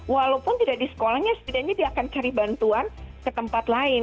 walaupun tidak di sekolahnya setidaknya dia akan cari bantuan ke tempat lain